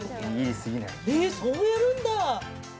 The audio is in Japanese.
そうやるんだ。